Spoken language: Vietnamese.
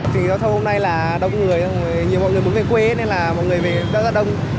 vì giao thông hôm nay là đông người nhiều mọi người muốn về quê nên là mọi người về rất là đông